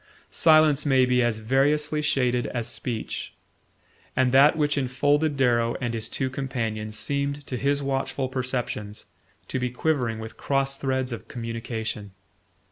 Silence may be as variously shaded as speech; and that which enfolded Darrow and his two companions seemed to his watchful perceptions to be quivering with cross threads of communication.